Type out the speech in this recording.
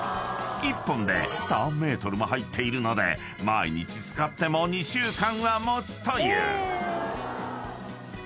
［１本で３ｍも入っているので毎日使っても２週間は持つという］